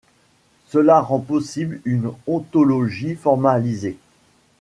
Cela rend possible une ontologie formalisée.